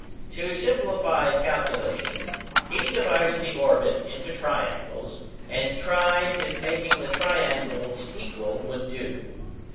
To simplify calculation, he divided the orbit into triangles, and tried if making the triangles equal would do.